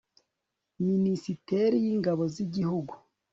minisiteri y'ingabo z'igihugu